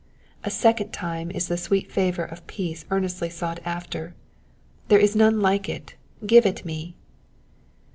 A second time is the sweet favour of peace earnestly sought after: "There is none like it, give it me."